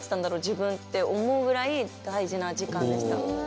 自分って思うぐらいだいじな時間でした。